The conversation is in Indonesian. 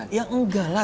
ya enggak lah